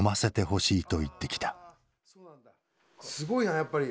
すごいなやっぱり。